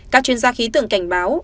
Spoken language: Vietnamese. các chuyên gia khí tưởng cảnh báo